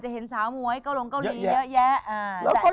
ชุดลายเสือของคุณ